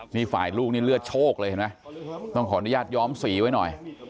นี่ฝ่ายลูกนี่เลือดโชคเลยเห็นไหมต้องขออนุญาตย้อมสีไว้หน่อย